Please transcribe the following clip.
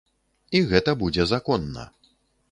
І гэта будзе законна.